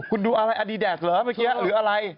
คุณดูอะไรอดีแดกเหรอเมื่อกี้หรืออะไร